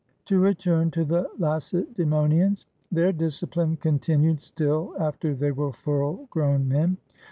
To return to the Lacedaemonians. Their discipline continued still after they were full grown men.